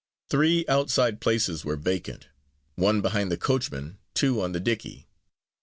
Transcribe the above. Three outside places were vacant; one behind the coachman; two on the dickey.